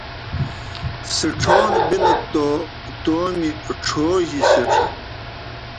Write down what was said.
سِڇھون بِلَت توْ تومی ڇھو جیْ سِڇھہ